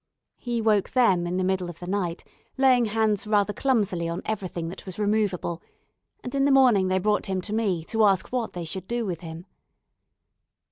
He woke them in the middle of the night, laying hands rather clumsily on everything that was removeable; and in the morning they brought him to me, to ask what they should do with him.